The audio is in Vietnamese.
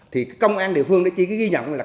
thì công an địa phương chỉ ghi nhận